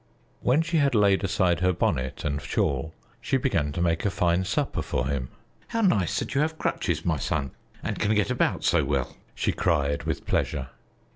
When she had laid aside her bonnet and shawl, she began to make a fine supper for him. "How nice that you have crutches, my son, and can get about so well!" she cried with pleasure.